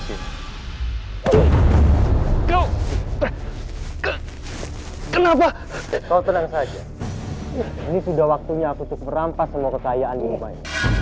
ini sudah waktunya aku untuk merampas semua kekayaan umay